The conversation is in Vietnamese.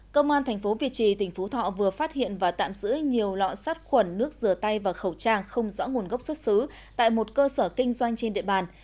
công an tp việt trì tỉnh phú thọ vừa phát hiện và tạm giữ nhiều lọ sát khuẩn nước rửa tay và khẩu trang không rõ nguồn gốc xuất xứ tại một cơ sở kinh doanh trên địa bàn